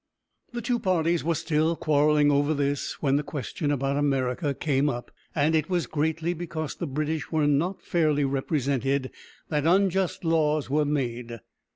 The two parties were still quarreling over this when the question about America came up, and it was greatly because the British were not fairly represented that unjust laws were made.